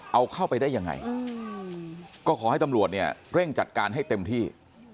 เอาเข้าไปได้ยังไงก็ขอให้ตำรวจเนี่ยเร่งจัดการให้เต็มที่